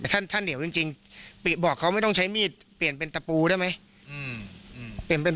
ท่านถ้าเหนียวจริงปิบอกเขาไม่ต้องใช้มีดเปลี่ยนเป็นตะปูได้ไหม